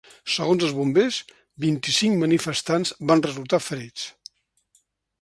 Segons els bombers, vint-i-cinc manifestants van resultar ferits.